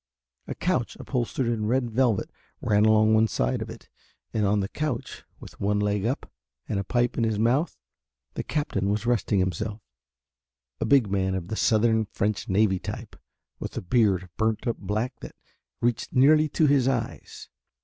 A couch upholstered in red velvet ran along one side of it and on the couch with one leg up and a pipe in his mouth the captain was resting himself, a big man of the Southern French navy type, with a beard of burnt up black that reached nearly to his eyes.